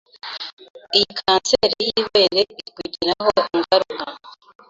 Iyi kanseri y'ibere ikugiraho ingaruka